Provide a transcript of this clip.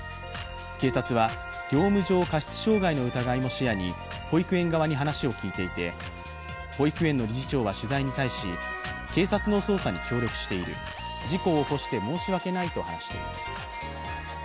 警察は業務上過失傷害の疑いも視野に保育園側に話を聞いていて、保育園の理事長は取材に対し警察の捜査に協力している、事故を起こして申し訳ないと話しています。